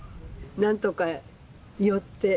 なんとか寄ってね